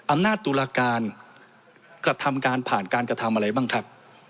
อำนาจตุลาการกระทำการผ่านการกระทำอะไรบ้างครับ